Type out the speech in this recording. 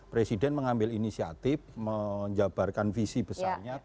presiden mengambil inisiatif menjabarkan visi besarnya